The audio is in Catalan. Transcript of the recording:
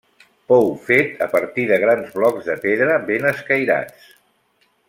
Pou fet a partir de grans blocs de pedra ben escairats.